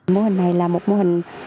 mô hình này là một mô hình